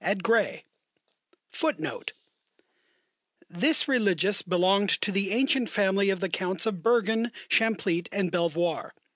Amen FOOTNOTE: [A] This religious belonged to the ancient family of the Counts of Berghen, Champlitte, and Belvoir.